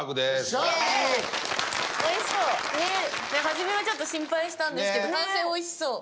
初めはちょっと心配したんですけど完成おいしそう。